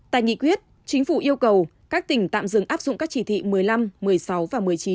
tại nghị quyết chính phủ yêu cầu các tỉnh tạm dừng áp dụng các chỉ thị một mươi năm một mươi sáu và một mươi chín